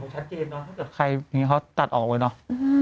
ถ้าเกิดใครนี่เขาตัดออกเลยเนอะ